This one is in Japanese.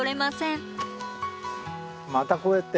またこうやって。